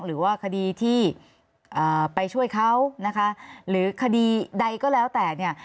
หรือว่าคดีที่ไปช่วยเขานะคะหรือคดีใดก็แล้วแต่เนี่ย